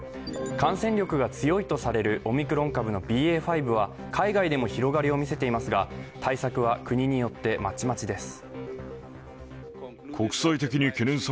感染力が強いとされるオミクロン株のＢＡ．５は海外でも広がりを見せていますが、対策は国によってまちまちです。